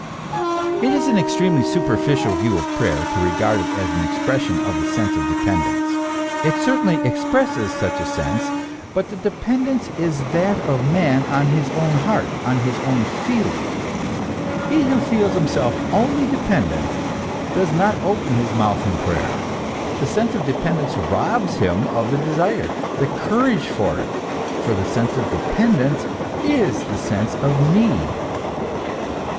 * It is an extremely superficial view of prayer to regard it as an expression of the sense of dependence. It certainly ex presses such a sense, but the dependence is that of man on his own heart, on his own feeling. He who feels himself only dependent, does not open his mouth in prayer; the sense of dependence robs him of the desire, the courage for it ; for the sense of dependence is the sense of need.